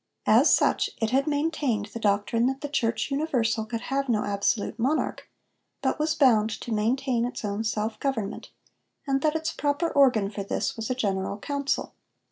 As such it had maintained the doctrine that the church universal could have no absolute monarch, but was bound to maintain its own self government, and that its proper organ for this was a general council.